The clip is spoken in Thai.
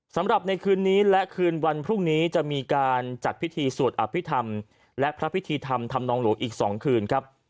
สำหรับในคืนนี้และคืนวันพรุ่งนี้จะมีการจัดพิธีสวดอภิษฐรรมและพระพิธีธรรมธรรมนองหลวงอีก๒คืนครับ